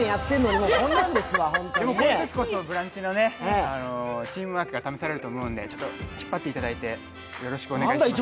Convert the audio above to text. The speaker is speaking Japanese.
でも、こういうときこそ「ブランチ」のチームワークが試されると思うので引っ張っていただいて、よろしくお願いします。